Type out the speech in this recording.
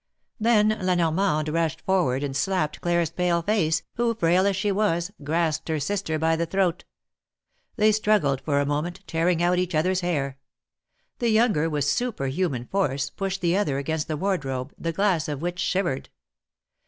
Then La Normande rushed forward and slapped Claire's pale face, who, frail as she was, grasped her sister by the throat. They struggled for a moment, tearing out each other's hair. The younger, with superhuman force, pushed the other against the wardrobe, the glass of which shivered.